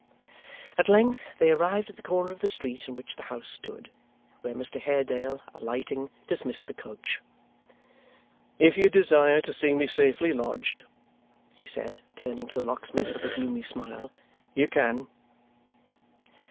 At length, they arrived at the corner of the street in which the house stood, where Mr Haredale, alighting, dismissed the coach. 'If you desire to see me safely lodged,' he said, turning to the locksmith with a gloomy smile, 'you can.